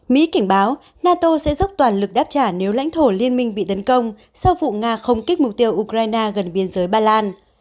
mỹ cảnh báo nato sẽ dốc toàn lực đáp trả nếu lãnh thổ liên minh bị tấn công sau vụ nga không kích mục tiêu ukraine gần biên giới ba lan